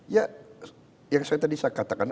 ya yang tadi saya katakan